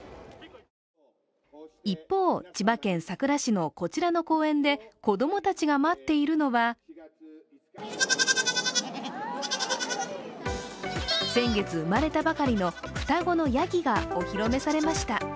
一方、千葉県佐倉市のこちらの公園で子供たちが待っているのは先月生まれたばかりの双子のやぎがお披露目されました。